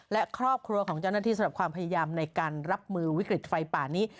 และครอบครัวของเจ้าหน้าที่สำหรับความพยายามในการรับมือวิกฤตไฟป่านี้